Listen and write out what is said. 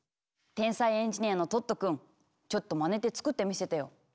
天才エンジニアのトットくんちょっとまねて作ってみせてよ。